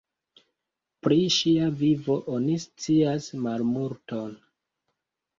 Pri ŝia vivo oni scias malmulton.